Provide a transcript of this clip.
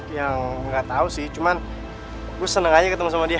yang nggak tahu sih cuman gue seneng aja ketemu sama dia